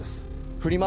フリマ